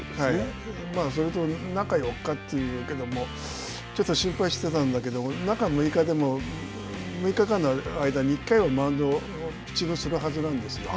それと中４日というけども、ちょっと心配してたんだけど中６日でも６日間の間に１回はマウンド、ピッチングをするはずなんですよ。